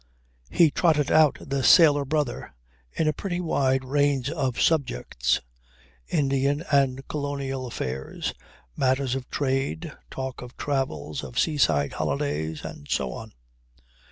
He trotted out the sailor brother in a pretty wide range of subjects: Indian and colonial affairs, matters of trade, talk of travels, of seaside holidays and so on.